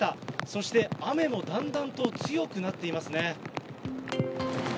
そして雨もだんだんと、強くなっていますね。